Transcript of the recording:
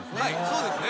そうですね。